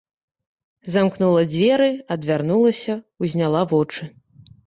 Замкнула дзверы, адвярнулася, узняла вочы.